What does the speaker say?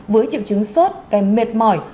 với triệu chứng sốt kèm mệt mỏi